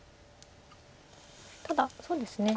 ただそうですね。